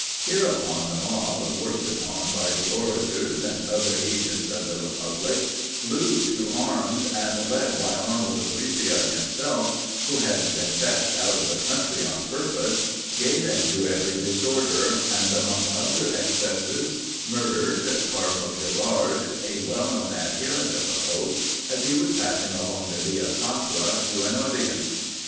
Hereupon the mob, worked upon by the orators and other agents of the republic, flew to arms, and led by Arnold of Brescia himself, who had been fetched out of the country on purpose, gave in to every disorder; and, among other excesses, murdered Cardinal Gerard, a well known adherent of the pope, as he was passing along the Via Sacra to an audience.